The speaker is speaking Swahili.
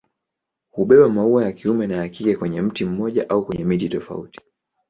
Hubeba maua ya kiume na ya kike kwenye mti mmoja au kwenye miti tofauti.